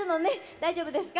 大丈夫ですか？